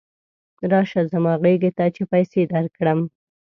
راشه زما غېږې ته چې پیسې درکړم.